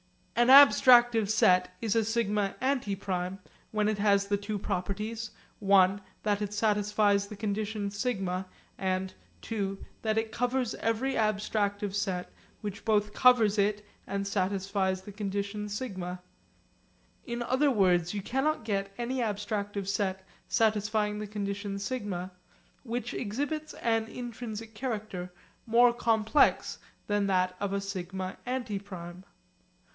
An abstractive set is a σ antiprime when it has the two properties, (i) that it satisfies the condition σ and (ii) that it covers every abstractive set which both covers it and satisfies the condition σ. In other words you cannot get any abstractive set satisfying the condition σ which exhibits an intrinsic character more complex than that of a σ antiprime.